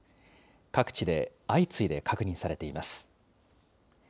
各地で相次いで確認されています。